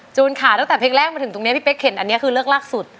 ค่ะตั้งแต่เพลงแรกมาถึงตรงนี้พี่เป๊กเห็นอันนี้คือเลิกลากสุด